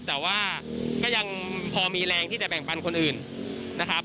แต่ว่าก็ยังพอมีแรงที่จะแบ่งปันคนอื่นนะครับ